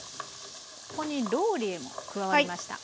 ここにローリエも加わりました。